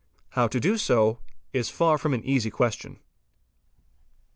How to do so? is far from an | easy question.